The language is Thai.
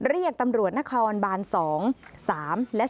เรียกตำรวจนครบาน๒๓และ๔